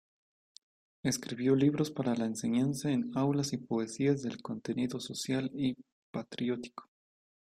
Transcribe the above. Escribió libros para la enseñanza en aulas y poesías de contenido social y patriótico.